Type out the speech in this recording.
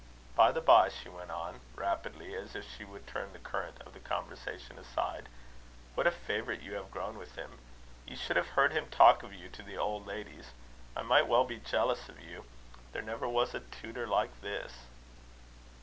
By the bye," she went on rapidly, as if she would turn the current of the conversation aside "what a favourite you have grown with him! You should have heard him talk of you to the old ladies. I might well be jealous of you. There never was a tutor like his."